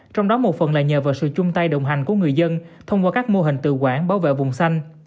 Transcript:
trong đó một phần là nhờ vào sự chung tay đồng hành của người dân thông qua các mô hình tự quản bảo vệ vùng xanh